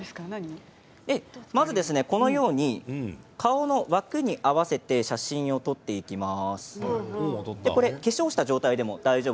このように顔の枠に合わせて写真を撮っていきます。